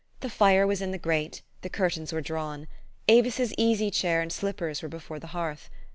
The fire was in the grate ; the curtains were drawn ; Avis's easy chair and slippers were before the hearth.